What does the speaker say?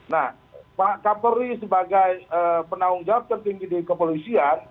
nah pak kapolri sebagai penanggung jawab tertinggi di kepolisian